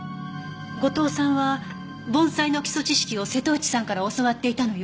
後藤さんは盆栽の基礎知識を瀬戸内さんから教わっていたのよ。